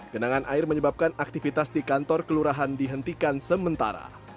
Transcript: genangan air menyebabkan aktivitas di kantor kelurahan dihentikan sementara